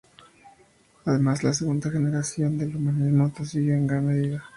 Además, la segunda generación del humanismo la siguió en gran medida.